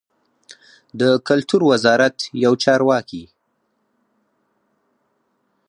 د کلتور وزارت یو چارواکي